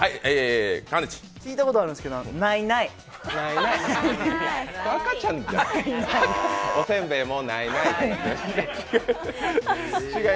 聞いたことあるんですけど、ないない？